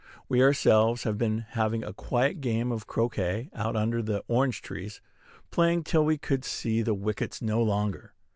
We ourselves have been having a quiet game of croquet out under the orange trees, playing till we could see the wickets no longer.